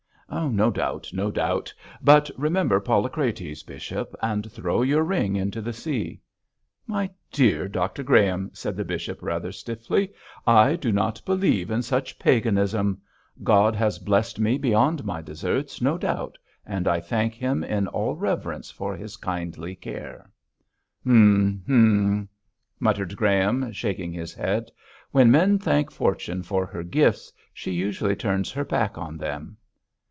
'No doubt! No doubt! But remember Polycrates, bishop, and throw your ring into the sea.' 'My dear Dr Graham,' said the bishop, rather stiffly, 'I do not believe in such paganism. God has blessed me beyond my deserts, no doubt, and I thank Him in all reverence for His kindly care.' 'Hum! Hum!' muttered Graham, shaking his head. 'When men thank fortune for her gifts she usually turns her back on them.'